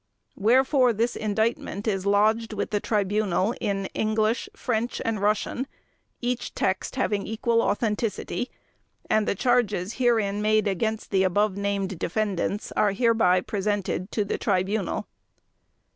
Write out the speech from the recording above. Wherefore, this Indictment is lodged with the Tribunal in English, French, and Russian, each text having equal authenticity, and the charges herein made against the above named defendants are hereby presented to the Tribunal.